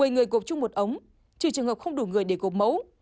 một mươi người gộp chung một ống trừ trường hợp không đủ người để gộp mẫu